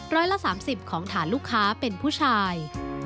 ละ๓๐ของฐานลูกค้าเป็นผู้ชาย